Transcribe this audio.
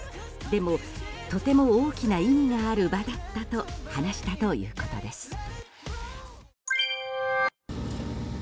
でも、とても大きな意味がある場だったと話したということです。